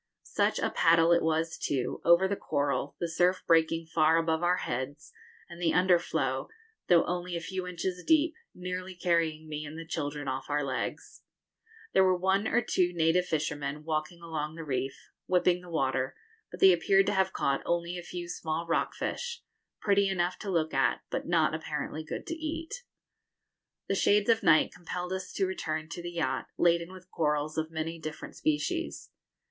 Such a paddle it was, too, over the coral, the surf breaking far above our heads, and the underflow, though only a few inches deep, nearly carrying me and the children off our legs! There were one or two native fishermen walking along the reef, whipping the water; but they appeared to have caught only a few small rock fish, pretty enough to look at, but not apparently good to eat. The shades of night compelled us to return to the yacht, laden with corals of many different species.